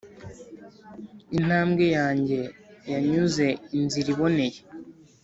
intambwe yanjye yanyuze inzira iboneye,